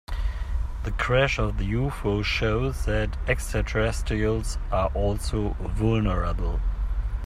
The crash of the UFO shows that extraterrestrials are also vulnerable.